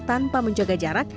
tanpa menjaga jarak